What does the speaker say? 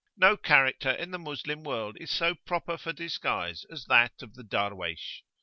No character in the Moslem world is so proper for disguise as that of the Darwaysh.